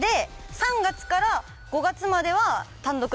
３月から５月までは。